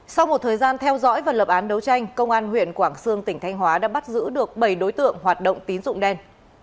sau một thời gian theo dõi và lập án đấu tranh công an huyện quảng sương tỉnh thanh hóa đã bắt giữ được bảy đối tượng hoạt động tín dụng đen